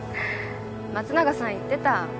松永さん言ってた。